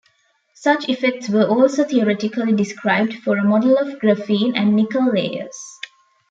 Such effects were also theoretically described for a model of graphene and nickel layers.